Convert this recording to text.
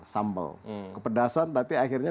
sambal kepedasan tapi akhirnya